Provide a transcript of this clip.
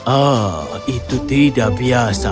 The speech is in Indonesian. oh itu tidak biasa